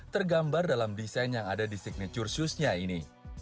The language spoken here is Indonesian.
tergambar dalam desain yang ada di signature shoesnya ini